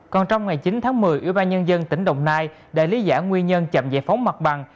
còn trong ngày chín tháng một mươi ủy ban nhân dân tp hcm đã lý giả nguyên nhân chậm giải phóng mặt bằng